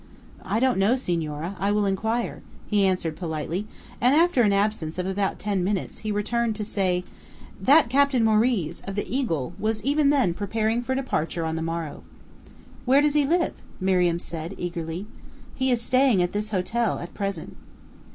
"I don't know, senora. I will inquire," he answered politely, and after an absence of about ten minutes, he returned to say "that Captain Moriz, of the Eagle, was even then preparing for departure on the morrow." "Where does he live?" Miriam said, eagerly. "He is staying at this hotel at present."